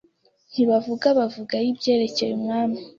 Ntibavuga bavuga y’Ibyerekeye Umwami